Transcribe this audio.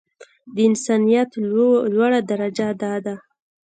د انسانيت لوړه درجه دا ده.